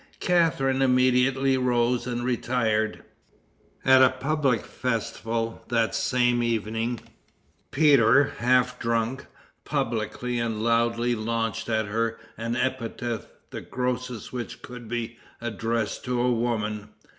Catharine immediately rose and retired. At a public festival that same evening, Peter, half drunk, publicly and loudly launched at her an epithet the grossest which could be addressed to a woman.